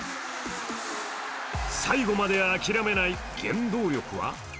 最後まで諦めない原動力は？